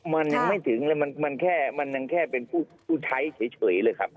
มันยังไม่ถึงเลยมันแค่เป็นผู้ใช้เฉยเลยค่ะ